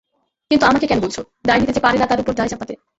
কিন্তু আমাকে কেন বলছ, দায় নিতে যে পারে না তার উপরে দায় চাপাতে।